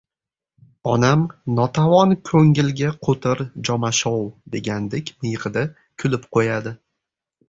Onam «notavon ko‘ngilga qo‘tir jomashov» degandek miyig‘ida kulib qo‘yadi.